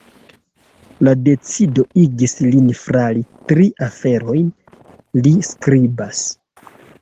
La decido igis lin flari tri aferojn, li skribas.